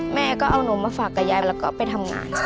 แม่ก็เอานมมาฝากกับยายแล้วก็ไปทำงานค่ะ